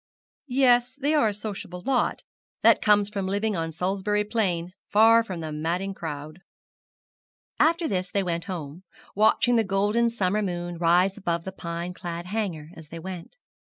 'Yes, they are a sociable lot. That comes from living on Salisbury Plain, far from the madding crowd.' After this they went home, watching the golden summer moon rise above the pine clad Hanger as they went.